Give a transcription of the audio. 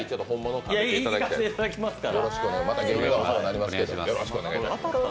行かせていただきますから。